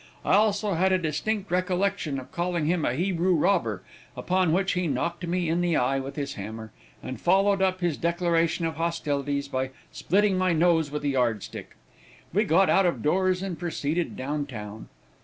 I also have a distinct recollection of calling him a Hebrew robber, upon which he knocked me in the eye with his hammer, and followed up this declaration of hostilities by splitting my nose with a yard stick. We got out of doors, and proceeded down town.